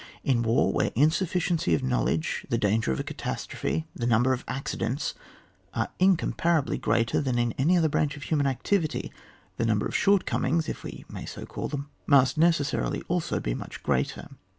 In war where insufficiency of knowledge, the danger of a catastrophe, the number of accidents are incomparably greater than in any other branch of human activity, the num ber of shortcomings, if we may so call them, must necessarily also be much greater.